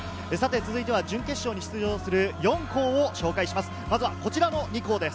続いては準決勝に出場する４校を紹介します。